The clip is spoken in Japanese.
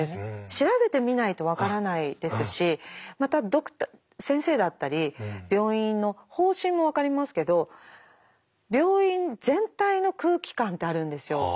調べてみないと分からないですしまた先生だったり病院の方針も分かりますけど病院全体の空気感ってあるんですよ。